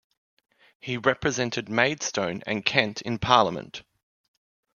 He represented Maidstone and Kent in Parliament.